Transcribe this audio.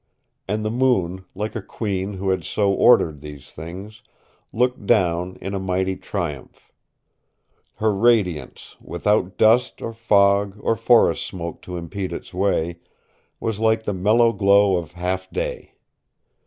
And the moon, like a queen who had so ordered these things, looked down in a mighty triumph. Her radiance, without dust or fog or forest smoke to impede its way, was like the mellow glow of half day.